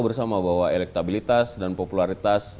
bersama bahwa elektabilitas dan popularitas